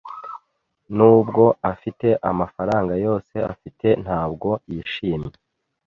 Nubwo afite amafaranga yose afite, ntabwo yishimye.